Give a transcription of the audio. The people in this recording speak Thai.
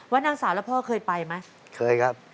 วัดดังสาวแล้วพ่อเคยไปไหมครับเคยครับ